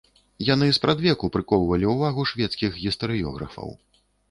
Яны спрадвеку прыкоўвалі ўвагу шведскіх гістарыёграфаў.